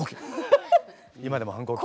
今でも反抗期。